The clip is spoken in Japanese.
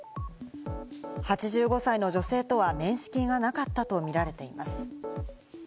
８５歳の女性とは面識がなかったとみられています。